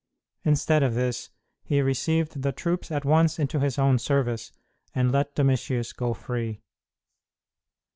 Instead of this, he received the troops at once into his own service and let Domitius go free.